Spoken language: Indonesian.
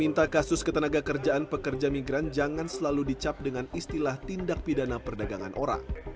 minta kasus ketenaga kerjaan pekerja migran jangan selalu dicap dengan istilah tindak pidana perdagangan orang